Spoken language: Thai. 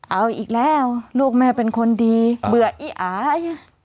เอาอีกแล้วลูกแม่เป็นคนดีเบื่ออีอาย